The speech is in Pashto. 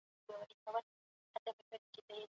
خواړه د وینې پر حالت اغېزه کوي.